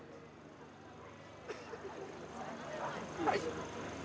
はい！